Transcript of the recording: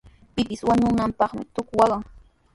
Pipis wañunanpaqmi tuku waqan.